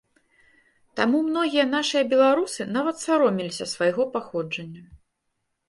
Таму многія нашыя беларусы нават саромеліся свайго паходжання.